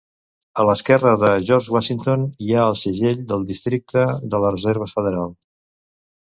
A l'esquerra de George Washington hi ha el segell del Districte de la Reserva Federal.